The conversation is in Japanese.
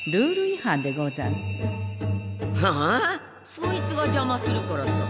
そいつがじゃまするからさ。